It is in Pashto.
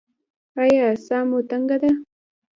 ایا ساه مو تنګه ده؟